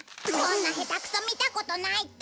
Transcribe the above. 「こんな下手くそ見たことない！」